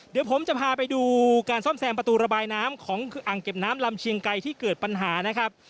เดี๋ยวผมจะพาไปดูการซ่อมแซมประตูระบายน้ำของอ่างเก็บน้ำลำเชียงไกรที่เกิดปัญหานะครับ